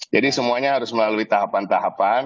jadi semuanya harus melalui tahapan tahapan